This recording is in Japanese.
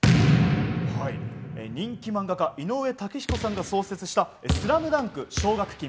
人気漫画家・井上雄彦さんが創設した、スラムダンク奨学金。